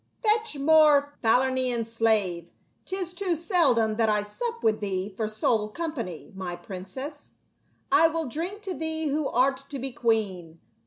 "17^ ETCH more Falernian, slave; 'tis too seldom I that I sup with thee for sole company, my princess. I will drink to thee who art to be queen.